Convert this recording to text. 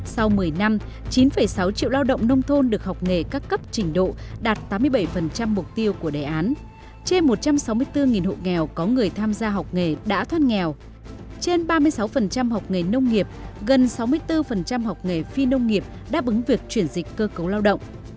sau một mươi năm chín sáu triệu lao động nông thôn được học nghề các cấp trình độ đạt tám mươi bảy mục tiêu của đề án trên một trăm sáu mươi bốn hộ nghèo có người tham gia học nghề đã thoát nghèo trên ba mươi sáu học nghề nông nghiệp gần sáu mươi bốn học nghề phi nông nghiệp đáp ứng việc chuyển dịch cơ cấu lao động